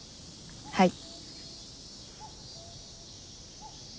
はい。